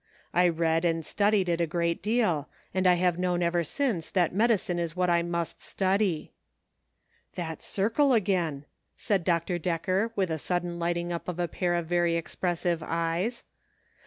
I read and studied it a great deal, and I have known ever since that medicine is what I must study." "That circle again," said Dr. Decker, with a sudden lighting up of a pair of very expressive eyes.